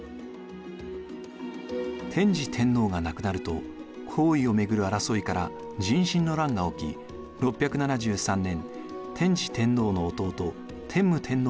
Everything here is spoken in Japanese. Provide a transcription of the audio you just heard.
天智天皇が亡くなると皇位を巡る争いから壬申の乱が起き６７３年天智天皇の弟天武天皇が即位。